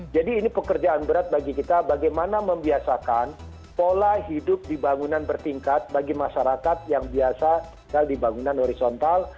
ini pekerjaan berat bagi kita bagaimana membiasakan pola hidup di bangunan bertingkat bagi masyarakat yang biasa tinggal di bangunan horizontal